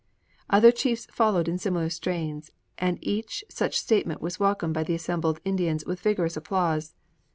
"' Other chiefs followed in similar strains; and each such statement was welcomed by the assembled Indians with vigorous applause.